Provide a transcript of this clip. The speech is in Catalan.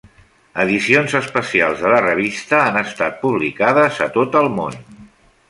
Edicions especials de la revista han estat publicades a tot el món.